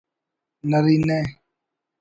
نرینہ